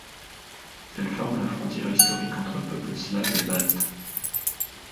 Elle forme la frontière historique entre peuples slaves et baltes.